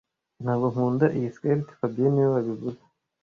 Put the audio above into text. Ntabwo nkunda iyi skirt fabien niwe wabivuze